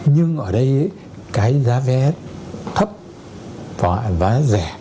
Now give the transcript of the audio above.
nhưng ở đây cái giá vé thấp và rẻ